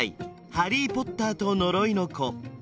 「ハリー・ポッターと呪いの子」